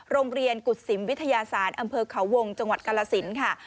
โรงเรียนกุศิมวิทยาศาสตร์อำเภอเขาวงจังหวัดกาลสินค่ะ